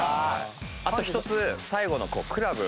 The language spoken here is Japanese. あと１つ最後のクラブ